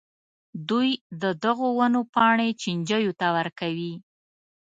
دوی د دغو ونو پاڼې چینجیو ته ورکوي.